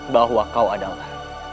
bahwa kau adalah